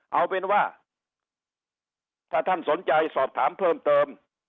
เอาเป็นว่าถ้าท่านสนใจสอบถามเพิ่มเติม